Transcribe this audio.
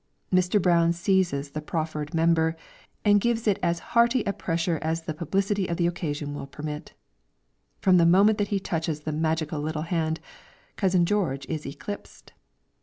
Mr. Brown seizes the proffered member, and gives it as hearty a pressure as the publicity of the occasion will permit. From the moment that he touches the magical little hand, cousin George is eclipsed.